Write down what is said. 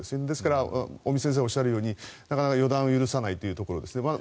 ですから尾身先生がおっしゃるようになかなか予断を許さないというところですね。